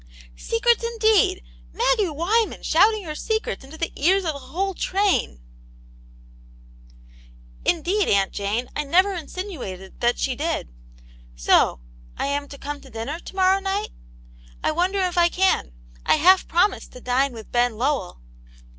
*' ''Secrets indeed! Maggie Wyman shouting her secrets into the ears of the whole train I" •* Indeed, Aunt Jane, I never insinuated that she did. So, I am to come to dinner to morrow night ? I wonder if I can ? I half promised to dine with Ben Lowell."